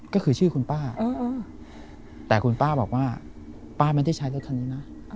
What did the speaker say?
ก็คือชื่อคุณป้าแต่คุณป้าบอกว่าป้าไม่ได้ใช้รถคันนี้นะ